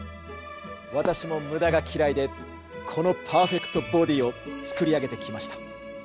私も無駄が嫌いでこのパーフェクトボディーをつくり上げてきました。